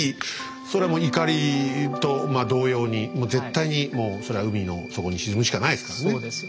それもいかりと同様に絶対にもうそれは海の底に沈むしかないですからね。